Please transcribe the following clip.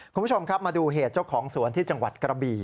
คุณผู้ชมครับมาดูเหตุเจ้าของสวนที่จังหวัดกระบี่